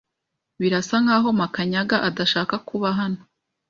Birasa nkaho Makanyaga adashaka kuba hano.